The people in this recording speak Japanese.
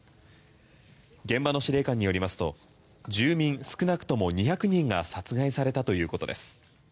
現場の司令官によりますと住民少なくとも２００人が殺害されたということです。